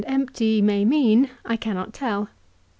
empty " may mean I cannot tell.